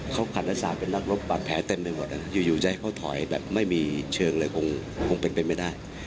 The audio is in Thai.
เขาคันศาสตร์เป็นนักรบปากแผลเต็มทั้งหมด